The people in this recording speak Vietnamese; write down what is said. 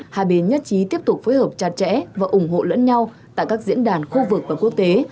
hai bên nhất trí tiếp tục phối hợp chặt chẽ và ủng hộ lẫn nhau tại các diễn đàn khu vực và quốc tế